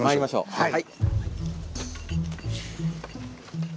はい。